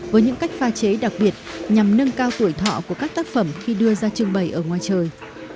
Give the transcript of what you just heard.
với những cách pha chế đặc biệt nhằm nâng cao tuổi thọ của các tác phẩm khi đưa ra trưng bày ở ngoài trời